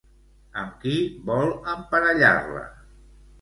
Amb qui vol emparellar-la?